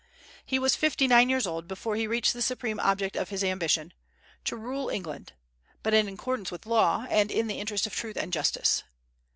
He was fifty nine years old before he reached the supreme object of his ambition, to rule England; but in accordance with law, and in the interest of truth and justice.